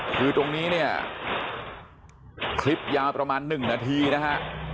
คือตรงนี้เนี่ยคลิปยาวประมาณ๑นาทีนะฮะ